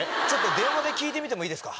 電話で聞いてみてもいいですか？